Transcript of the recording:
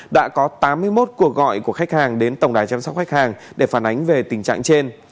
đã có tám mươi một cuộc gọi của khách hàng đến tổng đài chăm sóc khách hàng để phản ánh về tình trạng trên